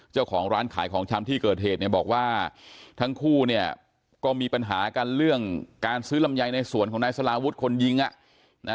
เจ้าของร้านขายของชำที่เกิดเหตุเนี่ยบอกว่าทั้งคู่เนี่ยก็มีปัญหากันเรื่องการซื้อลำไยในสวนของนายสลาวุฒิคนยิงอ่ะนะ